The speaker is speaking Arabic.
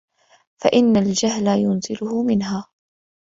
فَإِنَّ الْجَهْلَ يُنْزِلُهُ مِنْهَا